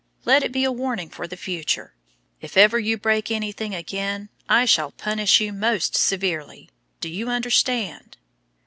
Let it be a warning for the future. If ever you break anything again, I shall punish you most severely. Do you understand?"